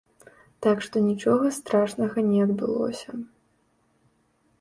Так што нічога страшнага не адбылося.